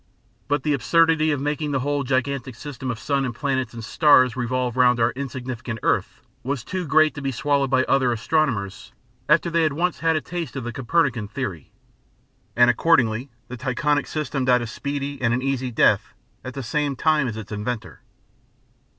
But the absurdity of making the whole gigantic system of sun and planets and stars revolve round our insignificant earth was too great to be swallowed by other astronomers after they had once had a taste of the Copernican theory; and accordingly the Tychonic system died a speedy and an easy death at the same time as its inventor.